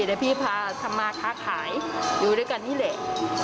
และพี่พาสมาธารค้าขายอยู่ด้วยกันนี่แหละ